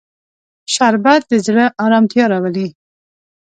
شربت د زړه ارامتیا راولي